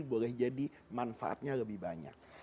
boleh jadi manfaatnya lebih banyak